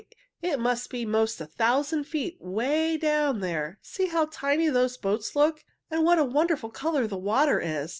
It must be 'most a thousand feet 'way down there! See how tiny those boats look, and what a wonderful color the water is!